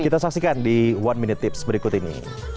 kita saksikan di one minute tips berikut ini